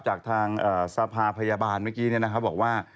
จากทางสภาพยาบาลเมื่อกี้เนี่ยนะครับบอกว่า